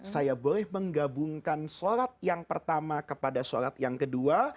saya boleh menggabungkan sholat yang pertama kepada sholat yang kedua